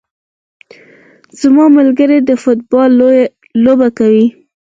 زما ملګري د فوټبال لوبه کوي